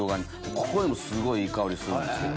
ここでもすごいいい香りするんですけど。